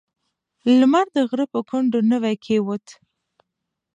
لمر د غره په کنډو نوی کېوت.